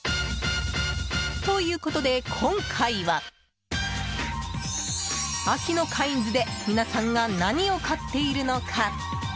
ということで今回は秋のカインズで皆さんが何を買っているのか。